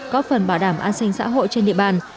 có phần bảo đảm an sinh xã hội trên địa bàn